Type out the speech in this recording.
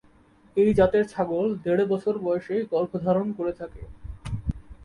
এই জাতের ছাগল দেড় বছর বয়সেই গর্ভধারণ করে থাকে।